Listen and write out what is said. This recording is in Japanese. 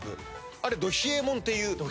あれど冷えもんっていう。